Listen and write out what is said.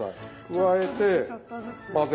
加えて混ぜる。